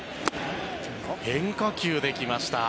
変化球で来ました。